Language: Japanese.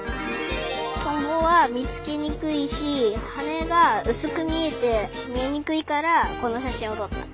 トンボはみつけにくいしはねがうすくみえてみえにくいからこのしゃしんをとった。